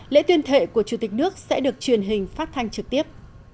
lễ tuyên thệ của chủ tịch nước sẽ được truyền hình phát thanh trực tiếp